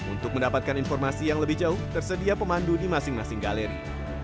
untuk mendapatkan informasi yang lebih jauh tersedia pemandu di masing masing galeri